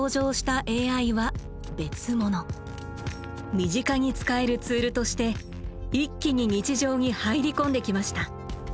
身近に使えるツールとして一気に「日常」に入り込んできました。